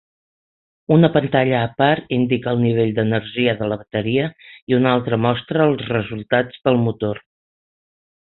Una pantalla a part indica el nivell d'energia de la bateria i una altra mostra el resultats del motor.